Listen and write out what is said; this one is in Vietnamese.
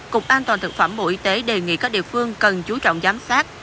cục an toàn thực phẩm bộ y tế đề nghị các địa phương cần chú trọng giám sát